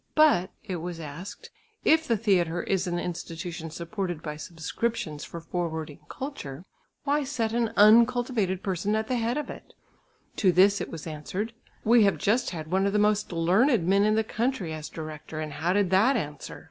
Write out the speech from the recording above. "But," it was asked, "if the theatre is an institution supported by subscriptions for forwarding culture, why set an uncultivated person at the head of it?" To this it was answered, "We have just had one of the most learned men in the country as director, and how did that answer?